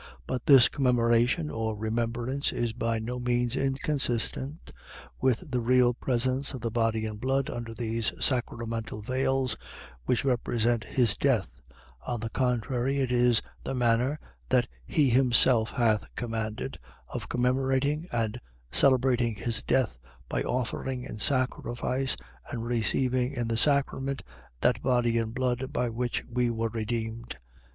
But this commemoration, or remembrance, is by no means inconsistent with the real presence of his body and blood, under these sacramental veils, which represent his death; on the contrary, it is the manner that he himself hath commanded, of commemorating and celebrating his death, by offering in sacrifice, and receiving in the sacrament, that body and blood by which we were redeemed.